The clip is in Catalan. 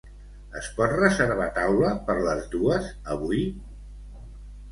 Es pot reservar taula per les dues avui?